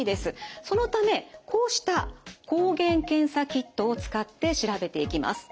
そのためこうした抗原検査キットを使って調べていきます。